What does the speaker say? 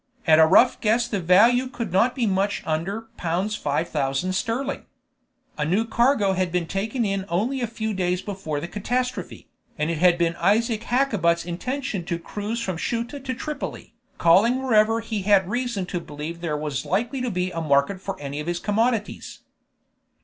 At a rough guess the value could not be much under pounds 5,000 sterling. A new cargo had been taken in only a few days before the catastrophe, and it had been Isaac Hakkabut's intention to cruise from Ceuta to Tripoli, calling wherever he had reason to believe there was likely to be a market for any of his commodities.